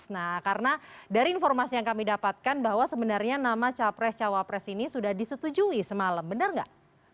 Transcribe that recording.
nah karena dari informasi yang kami dapatkan bahwa sebenarnya nama capres cawapres ini sudah disetujui semalam benar nggak